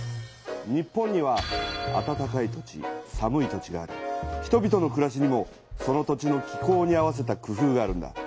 日本には「あたたかい土地」「寒い土地」があり人々のくらしにもその土地の気候に合わせた工夫があるんだ。